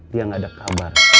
dia tidak ada kabar